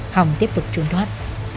hồng tiếp tục trốn thoát